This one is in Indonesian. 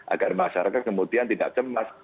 agar masyarakat kemudian tidak cemas